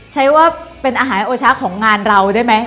ใช้ว่าเป็นอาหารโอชะของงานเราได้ไหม